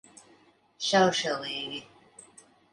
Šaušalīgi.